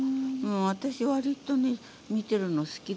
私割とね見てるの好きだったの。